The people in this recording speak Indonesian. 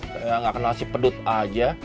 saya nggak kenal si pedut aja